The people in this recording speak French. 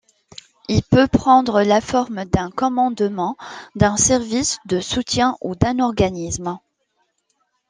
Il peut prendre la forme d'un commandement, d'un service de soutien ou d'un organisme.